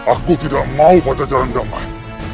aku tidak mau pajajaran damai